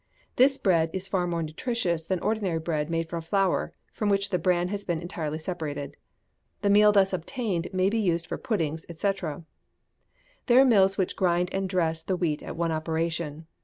This bread is far more nutritious than ordinary bread made from flour from which the bran has been entirely separated. The meal thus obtained may be used for puddings, &c. There are mills which grind and dress the wheat at one operation.